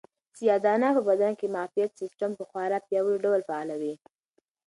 سیاه دانه په بدن کې د معافیت سیسټم په خورا پیاوړي ډول فعالوي.